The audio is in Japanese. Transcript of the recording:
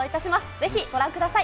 ぜひご覧ください。